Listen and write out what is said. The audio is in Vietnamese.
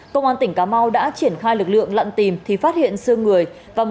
công an tỉnh cà mau đã triển khai lực lượng lặn tìm thì phát hiện sương người